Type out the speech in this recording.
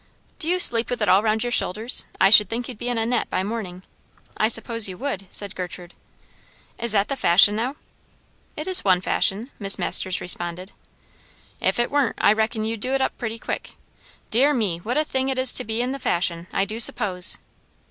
"Do you sleep with it all round your shoulders? I should think you'd be in a net by morning." "I suppose you would," said Gertrude. "Is that the fashion now?" "It is one fashion," Miss Masters responded. "If it warn't, I reckon you'd do it up pretty quick. Dear me! what a thing it is to be in the fashion, I do suppose."